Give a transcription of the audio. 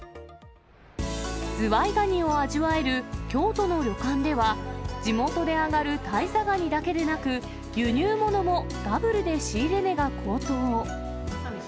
ズワイガニを味わえる京都の旅館では、地元で揚がる間人ガニだけでなく輸入物もダブルで仕入れ値が高騰。